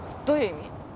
どういう意味？